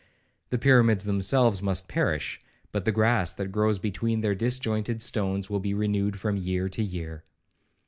The pyramids themselves must perish, but the grass that grows between their disjointed stones will be renewed from year to year.